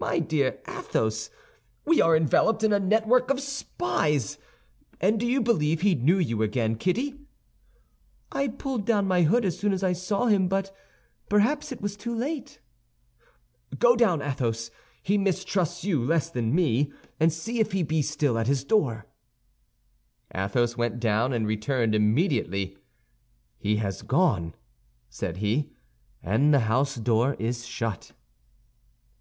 "My dear Athos, we are enveloped in a network of spies. And do you believe he knew you again, Kitty?" "I pulled down my hood as soon as I saw him, but perhaps it was too late." "Go down, Athos—he mistrusts you less than me—and see if he be still at his door." Athos went down and returned immediately. "He has gone," said he, "and the house door is shut."